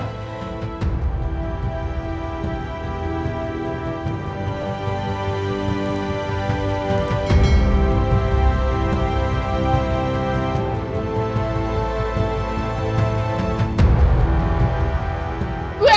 gue akan tutup lo putri